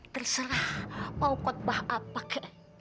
terserah mau kotbah apa kak